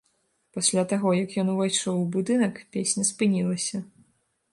Пасля таго, як ён увайшоў у будынак, песня спынілася.